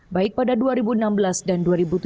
baik pada dua ribu enam belas dan dua ribu tujuh belas